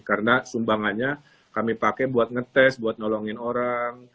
karena sumbangannya kami pakai buat ngetes buat nolongin orang